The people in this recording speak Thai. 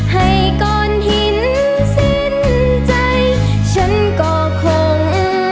ให้ก้อนหินสิ้นใจฉันก็คง